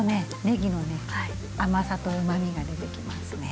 ねぎの甘さとうまみが出てきますね。